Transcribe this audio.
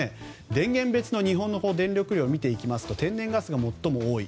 電源別の日本の電力量を見ると天然ガスが最も多い。